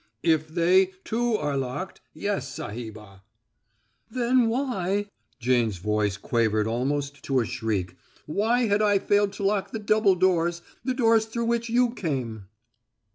"If they, too, are locked yes, Sahibah." "Then why" Jane's voice quavered almost to a shriek "why had I failed to lock the double doors the doors through which you came?"